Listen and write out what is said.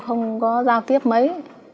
không có giao tiếp mấy